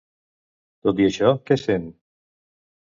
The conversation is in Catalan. Tot i això, què sent?